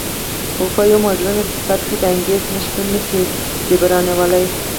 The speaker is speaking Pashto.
خو په یو موډرن اقتصاد کې د انګېزې نشتون نه شي جبرانولی